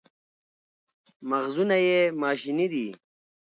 مغزونه یې ماشیني دي.